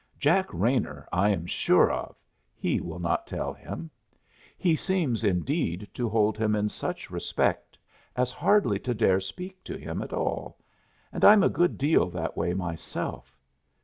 Jack Raynor I am sure of he will not tell Him. He seems, indeed, to hold Him in such respect as hardly to dare speak to Him at all, and I'm a good deal that way myself.